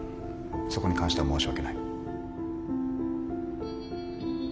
そこに関しては申し訳ない。